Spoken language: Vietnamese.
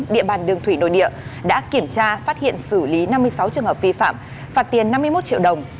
địa bàn đường thủy nội địa đã kiểm tra phát hiện xử lý năm mươi sáu trường hợp vi phạm phạt tiền năm mươi một triệu đồng